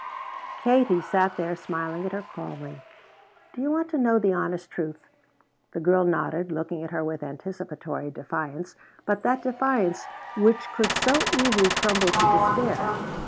Katie sat there smiling at her calmly. "Do you want to know the honest truth?" The girl nodded, looking at her with anticipatory defiance, but that defiance which could so easily crumble to despair.